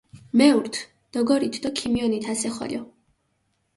მეურთ, დოგორით დო ქიმიონით ასე ხოლო.